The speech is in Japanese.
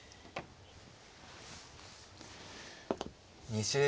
２０秒。